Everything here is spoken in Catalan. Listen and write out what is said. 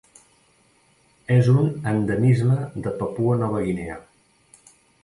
És un endemisme de Papua Nova Guinea.